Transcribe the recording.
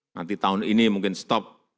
nanti tahun ini mungkin stop